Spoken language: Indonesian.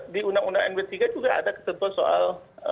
di undang undang md tiga juga ada ketentuan soal